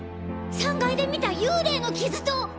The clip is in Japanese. ３階で見た幽霊の傷と！